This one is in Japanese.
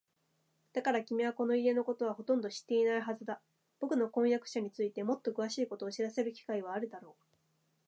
だから、君はこの家のことはほとんど知っていないはずだ。ぼくの婚約者についてもっとくわしいことを知らせる機会はあるだろう。